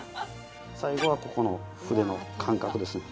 最後は、ここの筆の感覚ですね。